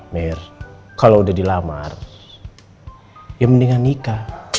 mir kalau udah dilamar ya mendingan nikah